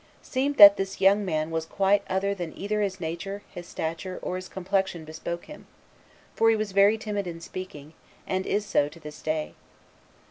Seemed that this young man was quite other than either his nature, his stature, or his complexion bespoke him, for he was very timid in speaking, and is so to this day.